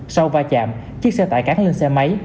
sau va chạm chiếc xe tải cát lên xe máy